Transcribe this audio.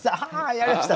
やりました！